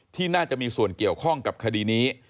ที่น่าจะมีส่วนเกี่ยวข้องกับคดีนี้